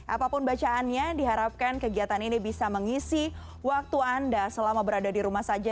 apapun bacaannya diharapkan kegiatan ini bisa mengisi waktu anda selama berada di rumah saja